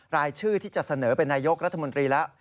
รายชื่อที่จะเสนอเป็นนายกรัฐมนตรีแล้ว